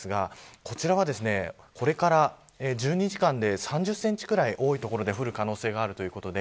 こちらは、これから１２時間で３０センチくらい多い所で降る可能性があるということです。